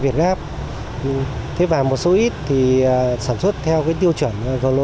thế và một số ít thì sản xuất theo cái tiêu chuẩn